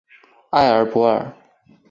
埃尔博尔。